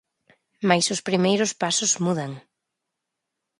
Mais os primeiros pasos mudan.